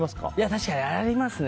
確かにありますね。